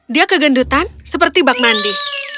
dia kegendutan seperti bak mandi